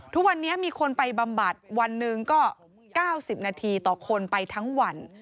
ทุกวันนี้มีคนไปบำบัดวันหนึ่งก็๙๐นาทีต่อคนไปทั้งวัน